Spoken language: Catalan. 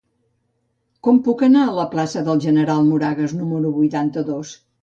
Com puc anar a la plaça del General Moragues número vuitanta-dos?